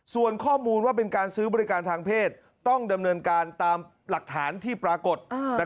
ส่วนข้อมูลว่าเป็นการซื้อบริการทางเพศต้องดำเนินการตามหลักฐานที่ปรากฏ